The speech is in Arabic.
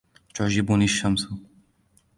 تعجبني الشمس